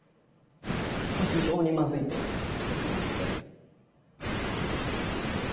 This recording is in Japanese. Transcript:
まあ非常にまずいと思いましたよね。